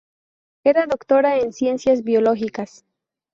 Era doctora en Ciencias Biológicas.